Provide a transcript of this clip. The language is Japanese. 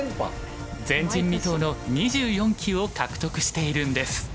前人未到の２４期を獲得しているんです。